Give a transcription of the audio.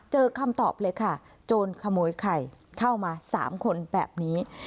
คำตอบเลยค่ะโจรขโมยไข่เข้ามา๓คนแบบนี้